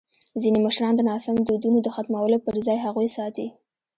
ځینې مشران د ناسم دودونو د ختمولو پر ځای هغوی ساتي.